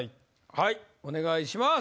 はいお願いします。